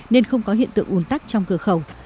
nên không có hiện tượng ồn tắc trong cửa khẩu